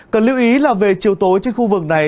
cần lưu ý là về chiều tối trên khu vực này